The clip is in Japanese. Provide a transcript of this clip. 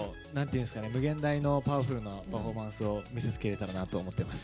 「無限大」のパワフルなパフォーマンスを見せつけられたらなと思ってます。